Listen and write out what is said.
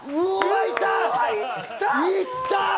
いった！